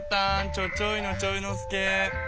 ちょちょいのちょいのすけ。